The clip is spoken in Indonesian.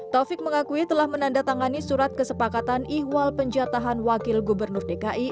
taufik mengakui telah menandatangani surat kesepakatan ihwal penjatahan wakil gubernur dki